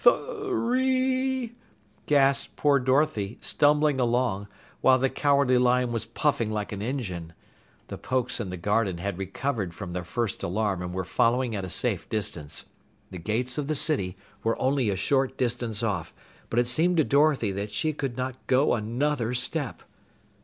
Thu ree !" gasped poor Dorothy, stumbling along, while the Cowardly Lion was puffing like an engine. The Pokes in the garden had recovered from their first alarm and were following at a safe distance. The gates of the city were only a short distance off, but it seemed to Dorothy that she could not go another step.